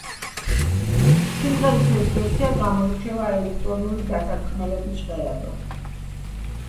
სიმღერის ეს ვერსია გამოირჩევა ელექტრონული დასარტყამების ჟღერადობით.